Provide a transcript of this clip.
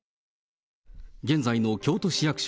現在の京都市役所